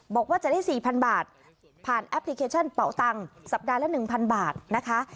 บอกว่าจะได้๔๐๐๐บาทผ่านแอปพลิเคชันเป่าตังค์สัปดาห์ละ๑๐๐บาทนะคะ